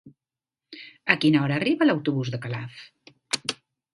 A quina hora arriba l'autobús de Calaf?